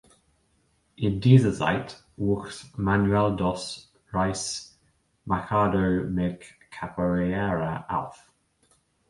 In dieser Zeit wuchs Manuel dos Reis Machado mit Capoeira auf.